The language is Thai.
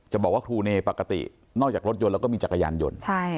บอกว่าครูเนปกตินอกจากรถยนต์แล้วก็มีจักรยานยนต์